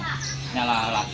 terus dinyalakan sama korek